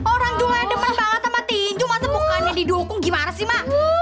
orang juleha depan banget sama tinju masa bukannya didukung gimana sih mbak